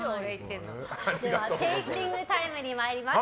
テイスティングタイムをお願いします。